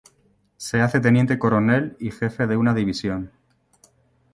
Se hace teniente coronel y jefe de una división.